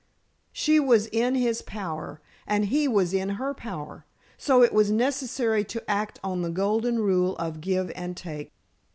She was in his power, and he was in her power, so it was necessary to act on the golden rule of give and take.